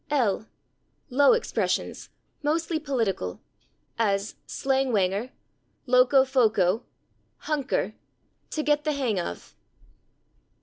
l. "Low expressions, mostly political," as /slangwhanger/, /loco foco/, /hunker/; /to get the hang of